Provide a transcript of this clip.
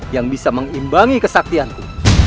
yang bisa mengimbangi kesaktianku